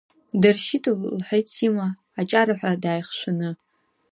Дыршьит, – лҳәеит Сима, аҷараҳәа дааихшәаны.